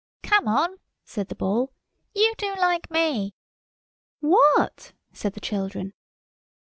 "Come on," said the Ball. "You do like me!" "What?" said the children.